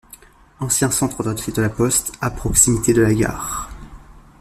Ancien centre de tri de la poste, à proximité de la Gare.